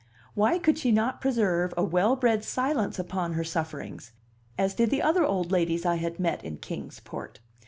Why could she not preserve a well bred silence upon her sufferings, as did the other old ladies I had met in Kings Port?